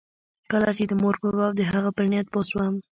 کله چې د مور په باب د هغه پر نيت پوه سوم.